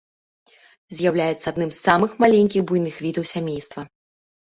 З'яўляецца адным з самых маленькіх буйных відаў сямейства.